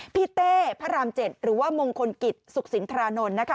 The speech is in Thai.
เต้พระราม๗หรือว่ามงคลกิจสุขสินทรานนท์นะคะ